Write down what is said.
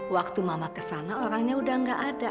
waktu mama ke sana orangnya udah nggak ada